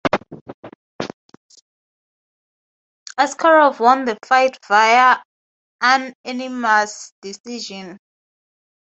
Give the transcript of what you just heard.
Askarov won the fight via unanimous decision.